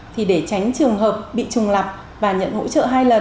thì để tránh trường hợp bị trùng lập và nhận hỗ trợ hai lần